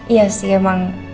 ya sih ya ya udah kaya gitu ya